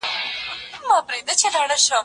پر تاسو باندي نن هيڅ ملامتيا نسته.